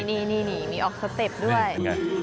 นี่มีออกสเต็ปด้วย